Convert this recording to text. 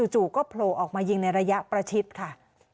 จู่ก็โผล่ออกมายิงในระยะประชิดค่ะ